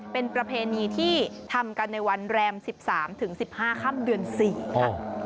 เป็นประเพณีที่ทำกันในวันแรมสิบสามถึงสิบห้าค่ำเดือนสี่ค่ะ